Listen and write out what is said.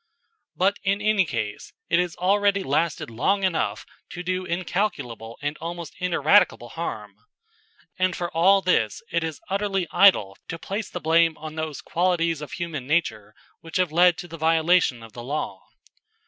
But in any case it has already lasted long enough to do incalculable and almost ineradicable harm. And for all this it is utterly idle to place the blame on those qualities of human nature which have led to the violation of the law.